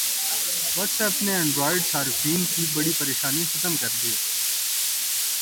what's app نے Android صارفین کی بڑی پریشانی ختم کردی